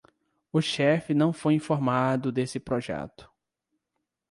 O chefe não foi informado desse projeto